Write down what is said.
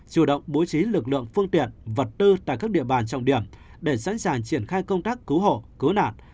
chủ động bố trí lực lượng phương tiện vật tư tại các địa bàn trọng điểm để sẵn sàng triển khai công tác cứu hộ cứu nạn